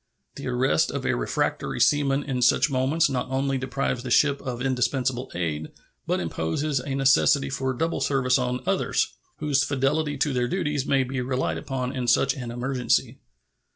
The arrest of a refractory seaman in such moments not only deprives the ship of indispensable aid, but imposes a necessity for double service on others, whose fidelity to their duties may be relied upon in such an emergency.